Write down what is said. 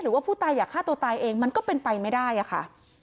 หรือว่าผู้ตายอยากฆ่าตัวตายเองมันก็เป็นไปไม่ได้อะค่ะ